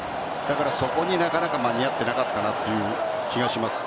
そこになかなか間に合わなかったなという気がします。